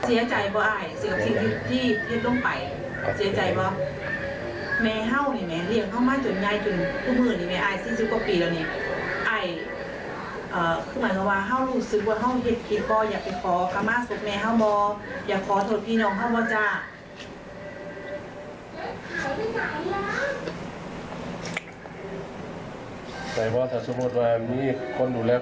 เสียใจบอกอ่ะด้วยที่ที่ต้องไปเสียใจบอกแม่ห้าวอย่างนี้แม่เรียก